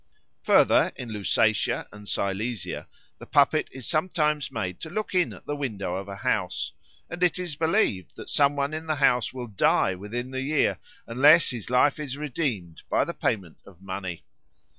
Further, in Lusatia and Silesia the puppet is sometimes made to look in at the window of a house, and it is believed that some one in the house will die within the year unless his life is redeemed by the payment of money.